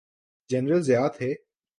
General Zia تھے۔